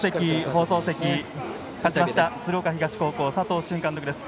放送席、勝ちました鶴岡東高校佐藤俊監督です。